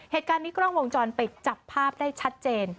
เหตุการณ์นี้กล้องวงจรปิดจับภาพได้ชัดเจน